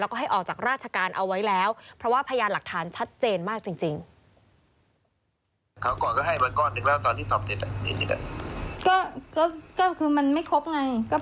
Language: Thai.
แล้วก็ให้ออกจากราชการเอาไว้แล้วเพราะว่าพยานหลักฐานชัดเจนมากจริง